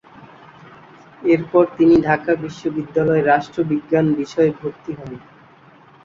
এরপর তিনি ঢাকা বিশ্ববিদ্যালয়ে রাষ্ট্রবিজ্ঞান বিষয়ে ভর্তি হন।